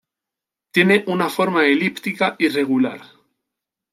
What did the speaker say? Tiene una forma elíptica irregular.